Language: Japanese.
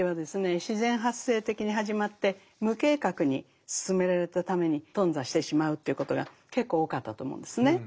自然発生的に始まって無計画に進められたために頓挫してしまうということが結構多かったと思うんですね。